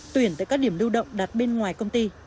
tuyển tại các điểm lưu động đặt bên ngoài công ty